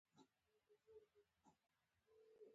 دواړه لاسونه یې و پړکول، پروا نه لرې دا مې ستا لپاره جوړ کړل.